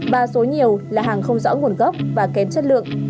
và số nhiều là hàng không rõ nguồn gốc và kém chất lượng